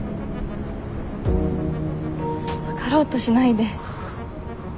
分かろうとしないで。